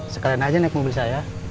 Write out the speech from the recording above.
sekalian aja naik mobil saya